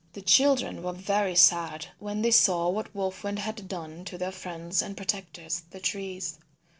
The children were very sad when they saw what Wolf Wind had done to their friends and protectors, the trees.